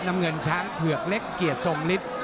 น้ำเงินช้างเหวือกเล็กเกียจส่งลิสต์